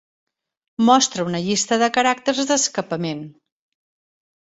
Mostra una llista de caràcters d'escapament.